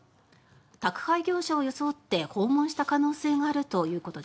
宅配業者を装って訪問した可能性があるという事です。